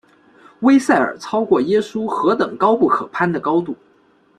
威塞尔超过耶稣何等高不可攀的高度！